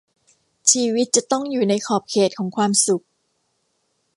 ชีวิตจะต้องอยู่ในขอบเขตของความสุข